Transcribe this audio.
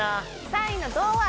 ３位の銅は。